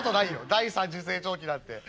第３次成長期なんて」。